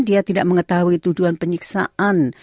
dia tidak mengetahui tuduhan penyiksaan